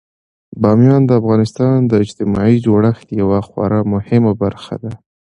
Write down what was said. بامیان د افغانستان د اجتماعي جوړښت یوه خورا مهمه برخه ده.